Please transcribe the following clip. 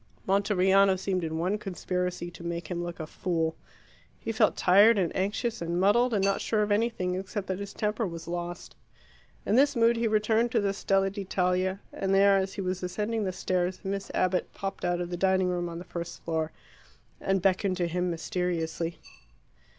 Monteriano seemed in one conspiracy to make him look a fool. He felt tired and anxious and muddled, and not sure of anything except that his temper was lost. In this mood he returned to the Stella d'Italia, and there, as he was ascending the stairs, Miss Abbott popped out of the dining room on the first floor and beckoned to him mysteriously.